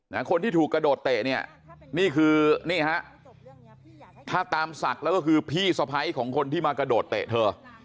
คนที่ถูกกระโดดเตะเนี่ยนี่คือนี่ฮะถ้าตามศักดิ์แล้วก็คือพี่สะพ้ายของคนที่มากระโดดเตะเธอ